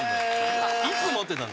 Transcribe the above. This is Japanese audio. いつ持ってたの？